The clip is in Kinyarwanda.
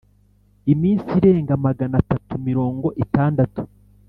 iminsi irenga magana atatu mirongo itandatu